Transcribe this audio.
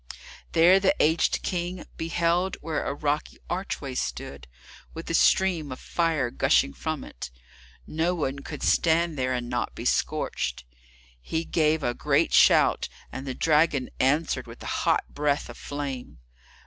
There the aged King beheld where a rocky archway stood, with a stream of fire gushing from it; no one could stand there and not be scorched. He gave a great shout, and the dragon answered with a hot breath of flame.